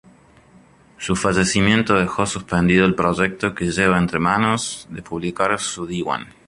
Su fallecimiento dejó suspendido el proyecto que llevaba entre manos de publicar su diwan.